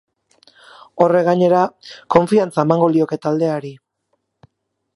Horrek gainera konfiantza emango lioke taldeari.